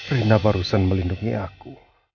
rena barusan melindungi aku